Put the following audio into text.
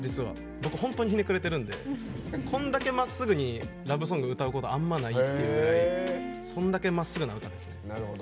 僕、本当にひねくれてるのでこんだけまっすぐにラブソング歌うことあんまないくらいそんだけまっすぐな歌ですね。